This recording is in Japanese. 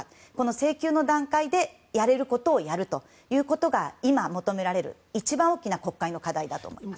請求の段階でやれることをやるということが今、求められる一番大きな国会の課題だと思います。